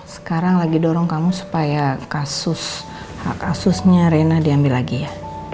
sekarang lagi dorong kamu supaya kasusnya rena diambil lagi ya